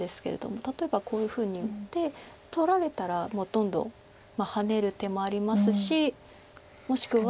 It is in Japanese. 例えばこういうふうに打って取られたらどんどんハネる手もありますしもしくは。